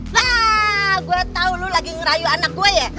ma gua tau lu lagi ngerayu anak gue ya